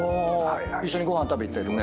一緒にご飯食べ行ったりとか。